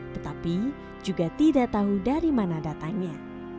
tetapi juga tidak tahu dari mana datangnya